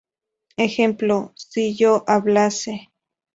Ejemplo: "Si yo hablase...".